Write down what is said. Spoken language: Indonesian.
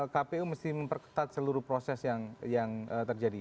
kpu mesti memperketat seluruh proses yang terjadi